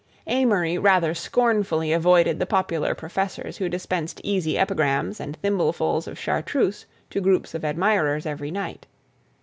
Amory rather scornfully avoided the popular professors who dispensed easy epigrams and thimblefuls of Chartreuse to groups of admirers every night.